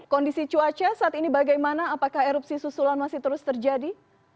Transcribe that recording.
kondisi cuaca saat ini bagaimana apakah erupsi susulan masih terus terjadi